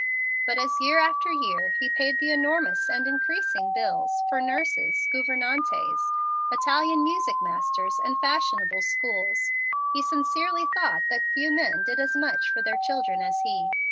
But as year after year he paid the enormous and increasing bills for nurses, gouvernantes, Italian music masters, and fashionable schools, he sincerely thought that few men did as much for their children as he.